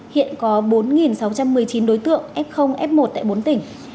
hiện có bốn sáu trăm một mươi chín đối tượng f f một tại bốn tỉnh